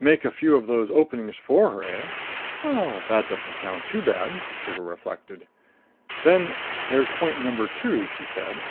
"Make a few of those openings for her, eh? Well, that doesn't sound too bad." Trigger reflected. "Then there's Point Number Two," she said.